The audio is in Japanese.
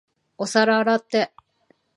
お皿洗って。